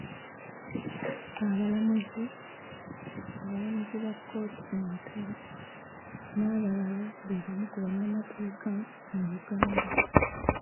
Abalamuzi, abalamu ba kkooti ento n'abalala be bamu ku bannamateeka mu Uganda.